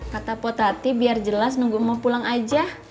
kata po tati biar jelas nunggu emak pulang aja